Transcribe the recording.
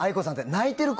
泣いてる声。